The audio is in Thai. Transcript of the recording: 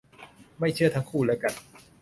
ไม่เชื่อทั้งคู่ละกัน